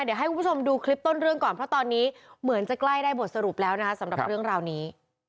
เดี๋ยวให้คุณผู้ชมดูคลิปต้นเรื่องก่อนเพราะตอนนี้เหมือนจะใกล้ได้บทสรุปแล้วนะคะสำหรับเรื่องราวนี้